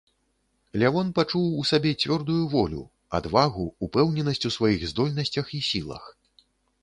Лявон пачуў у сабе цвёрдую волю, адвагу, упэўненасць у сваіх здольнасцях і сілах.